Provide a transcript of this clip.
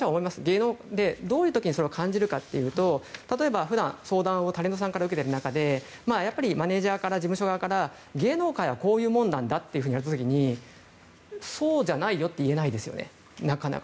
芸能で、どういう時にそれを感じるかというと例えば普段、相談をタレントさんから受けている中でマネジャー、事務所側から芸能界はこういうもんだといわれた時にそうじゃないよとなかなか言えないですよね。